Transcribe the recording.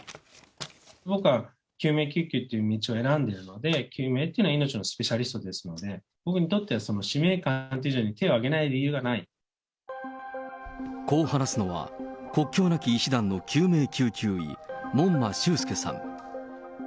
僕は救命救急という道を選んでるので、救命というのは命のスペシャリストですので、僕にとっては使命感というより、こう話すのは、国境なき医師団の救命救急医、門馬秀介さん。